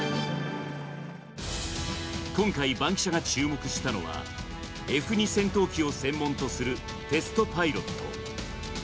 今回、バンキシャが注目したのは、Ｆ２戦闘機を専門とするテストパイロット。